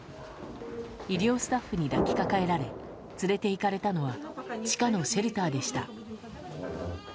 医療スタッフに抱きかかえられ連れていかれたのは地下のシェルターでした。